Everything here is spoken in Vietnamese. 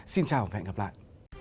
xin chào và hẹn gặp lại